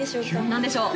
何でしょう？